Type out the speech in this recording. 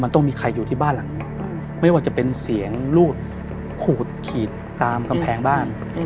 ที่บ้านหลังไม่ว่าจะเป็นเสียงลูดขูดขีดตามกำแพงบ้าน